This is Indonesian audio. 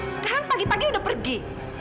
sekarang pagi pagi sudah pergi